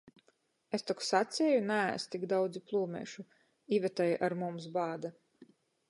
"Es tok saceju naēst tik daudzi plūmeišu," Ivetai ar mums bāda.